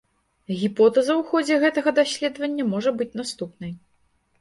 Гіпотэза ў ходзе гэтага даследавання можа быць наступнай.